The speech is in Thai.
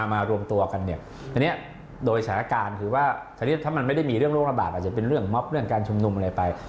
มารวมตัวกันเนี่ยอันนี้โดยสถานการณ์คือว่าตอนนี้ถ้ามันไม่ได้มีเรื่องโรคระบาดอาจจะเป็นเรื่องม็อบเรื่องการชุมนุมอะไรไป